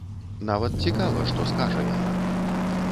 Нават цікава, што скажа яна.